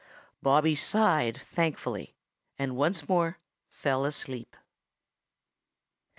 Bobby sighed thankfully and once more fell asleep. XVI.